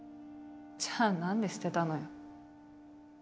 じゃあ何で捨てたのよ？